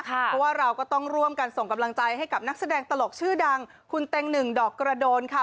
เพราะว่าเราก็ต้องร่วมกันส่งกำลังใจให้กับนักแสดงตลกชื่อดังคุณเต็งหนึ่งดอกกระโดนค่ะ